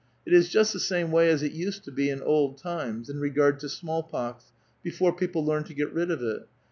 It is just the same way as it used to "^ iu old times, in regard to small pox, before people learned , get rid of it.